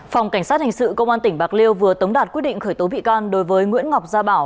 phòng cảnh sát hình sự công an tỉnh bạc liêu vừa tống đạt quyết định khởi tố bị can đối với nguyễn ngọc gia bảo